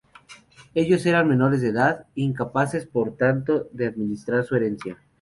Ellos eran menores de edad, incapaces por tanto de administrar su herencia.